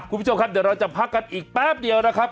คุณผู้ชมครับเดี๋ยวเราจะพักกันอีกแป๊บเดียวนะครับ